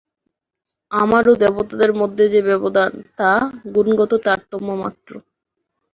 আমার ও দেবতাদের মধ্যে যে ব্যবধান, তা গুণগত তারতম্য মাত্র।